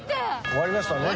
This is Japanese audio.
終わりましたね。